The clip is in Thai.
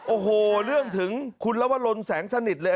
โอ้โหเรื่องถึงคุณลวรนแสงสนิทเลย